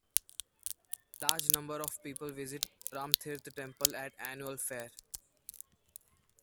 Large number of people visit Ramtirth Temple at annual fair.